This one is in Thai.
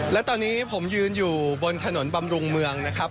และตอนนี้ผมยืนอยู่บนถนนบำรุงเมืองนะครับ